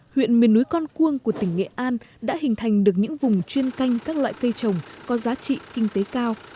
huyện miền núi con cuông của tỉnh nghệ an đã hình thành được những vùng chuyên canh các loại cây trồng có giá trị kinh tế cao